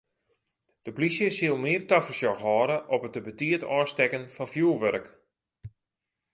De polysje sil mear tafersjoch hâlde op it te betiid ôfstekken fan fjoerwurk.